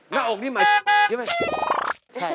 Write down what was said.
หน้าอกนี่หมายถึงใช่ไหม